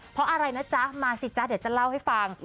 เพราะอะไรนะจ๊ะมาสิจ๊ะเดี๋ยวจะเล่าให้ฟัง